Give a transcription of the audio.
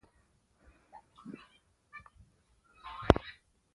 فاریاب د افغانستان د اقتصادي ودې لپاره ارزښت لري.